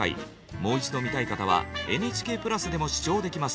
もう一度見たい方はＮＨＫプラスでも視聴できます。